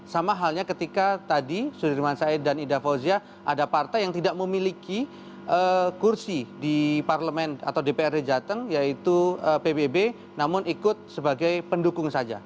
sama halnya ketika tadi sudirman said dan ida fauzia ada partai yang tidak memiliki kursi di parlemen atau dprd jateng yaitu pbb namun ikut sebagai pendukung saja